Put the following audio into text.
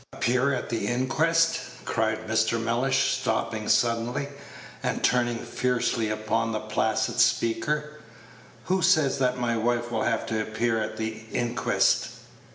"Appear at the inquest!" cried John Mellish, stopping suddenly, and turning fiercely upon the placid speaker. "Who says that my wife will have to appear at the inquest?"